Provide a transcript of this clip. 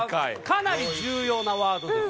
かなり重要なワードです。